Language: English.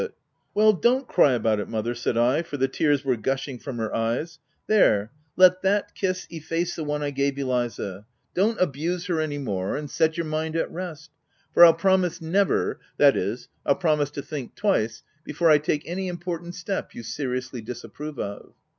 e 3 82 THE TENANT "Well, don't cry about it mother," said I ; for the tears were gushing from her eyes, '• there, let that kiss efface the one I gave Eliza ; don't abuse her any more, and set your mind at rest ; for 111 promise never to— that is, 111 promise to — to think twice before I take any important step you seriously disapprove of."